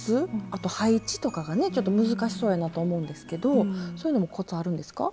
あと配置とかがねちょっと難しそうやなと思うんですけどそういうのもコツあるんですか？